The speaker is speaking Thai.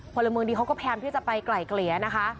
พลเมืองดีเขาก็พยายามที่จะไปไกลเกลี่ยนะคะ